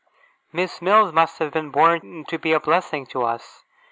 Miss Mills must have been born to be a blessing to us.